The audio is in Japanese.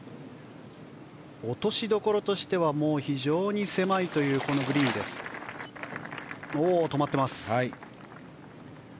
落としどころとしては非常に狭いというグリーンに止まっています。